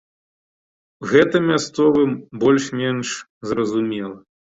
Гэта мясцовым больш-менш зразумела.